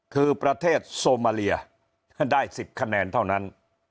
คือประเทศโซมาเลียได้๑๐คะแนนเท่านั้น